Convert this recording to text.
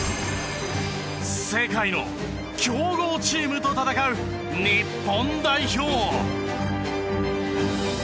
世界の強豪チームと戦う日本代表。